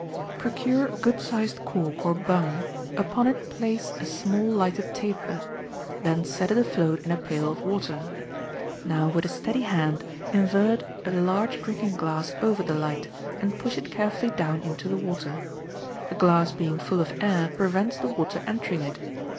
—Procure a good sized cork, or bung; upon it place a small lighted taper; then set it afloat in a pail of water. Now, with a steady hand, invert a large drinking glass over the light, and push it carefully down into the water. The glass being full of air prevents the water entering it.